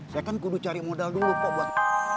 saya kan kudu cari modal dulu kok buat